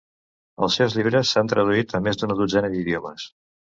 Els seus llibres s'han traduït a més d'una dotzena d'idiomes.